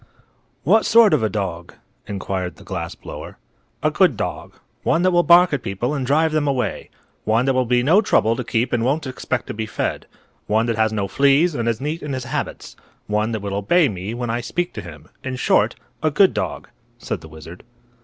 "What sort of a dog?" inquired the glass blower. "A good dog. One that will bark at people and drive them away. One that will be no trouble to keep and won't expect to be fed. One that has no fleas and is neat in his habits. One that will obey me when I speak to him. In short, a good dog," said the wizard.